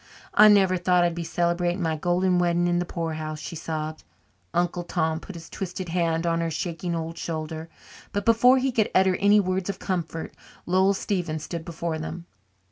"I never thought I'd be celebrating my golden wedding in the poorhouse," she sobbed. Uncle Tom put his twisted hand on her shaking old shoulder, but before he could utter any words of comfort Lovell Stevens stood before them.